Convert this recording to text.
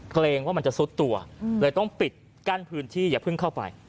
เกรงว่ามันจะซุดตัวต้องกลั้นพื้นที่อย่าเพิ่งเข้าไปนะฮะ